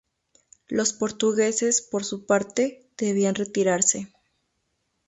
Los portugueses, por su parte, debían retirarse.